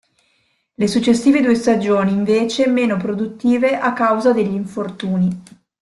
Le successive due stagioni invece meno produttive a causa degli infortuni.